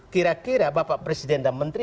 kira kira bapak presiden dan menteri